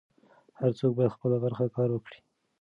هر څوک بايد خپله برخه کار وکړي.